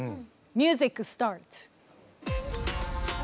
ミュージックスタート。